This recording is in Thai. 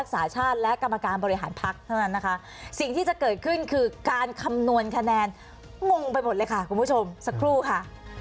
เดี๋ยวขอพักสักครู่เดี๋ยวช่วงหน้ากลับมาคุณผู้ชมค่ะ